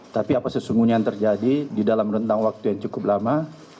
tapi apa sesungguhnya yang terjadi di dalam rentang waktu yang cukup lama